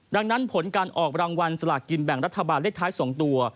ดังนั้นผลการออกรางวัลสลากกินแบ่งรัฐบาลเลขท้าย๒ตัว